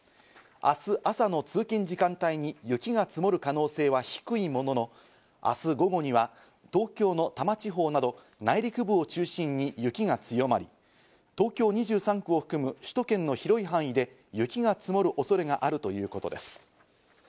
明日朝の通勤時間帯に雪が積もる可能性は低いものの、明日午後には東京の多摩地方など内陸部を中心に雪が強まり、東京２３区を含む首都圏の広い範囲で雪が積もる恐れがあるということです。